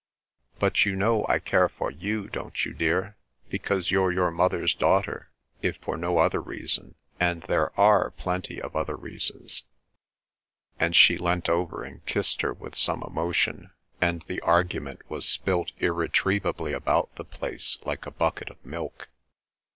"But you know I care for you, don't you, dear, because you're your mother's daughter, if for no other reason, and there are plenty of other reasons"—and she leant over and kissed her with some emotion, and the argument was spilt irretrievably about the place like a bucket of milk.